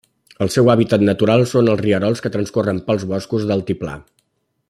El seu hàbitat natural són els rierols que transcorren pels boscos d'altiplà.